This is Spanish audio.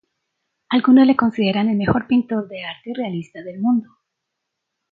Algunos le consideran el mejor pintor de arte realista del mundo.